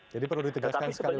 jadi perlu ditegaskan sekali lagi ya